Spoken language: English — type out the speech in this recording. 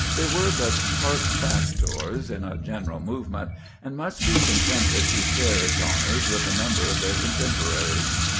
They were but part factors in a general movement, and must be contented to share its honors with a number of their contemporaries.